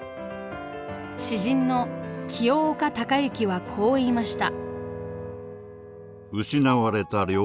詩人の清岡卓行はこう言いました。